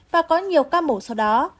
và có nhiều ca mổ sau đó